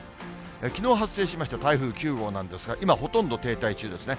きのう発生しました台風９号なんですが、今、ほとんど停滞中ですね。